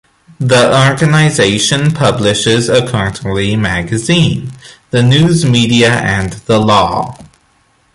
The organization publishes a quarterly magazine, "The News Media and The Law".